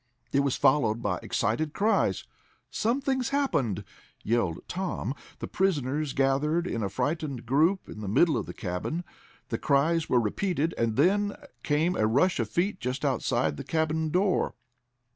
It was followed by excited cries. "Something's happened!" yelled Tom. The prisoners gathered in a frightened group in the middle of the cabin. The cries were repeated, and then came a rush of feet just outside the cabin door.